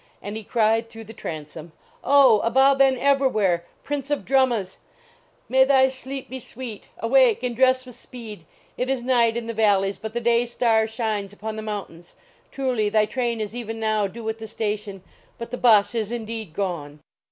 And he cried through the transom, "Oh, Abou Ben Evrawhair, Prince of Drummuhs ! May thy sleep be sweet ! Awake and dress with speed ! It is night in the valleys, but the day star shines upon the mountains. Truly thy train is even now due at the station, but the bus is indeed gone!"